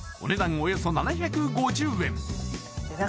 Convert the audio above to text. およそ７５０円